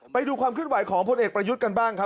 ไปดูความคลิปไหวของพลเอกปรยุฑกันบ้างครับ